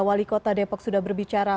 wali kota depok sudah berbicara